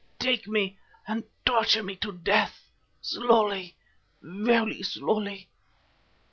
Take me and torture me to death, slowly, very slowly.